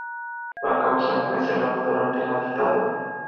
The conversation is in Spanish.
La causa fue cerrada durante la dictadura.